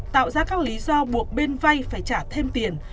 tạo ra các lý do buộc bên vay phải trả thêm tiền